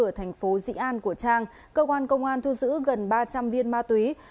ở thành phố dị an của trang cơ quan công an thu giữ gần ba trăm linh viên ma túy